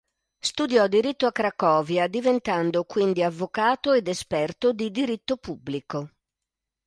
Studiò diritto a Cracovia diventando quindi avvocato ed esperto di diritto pubblico.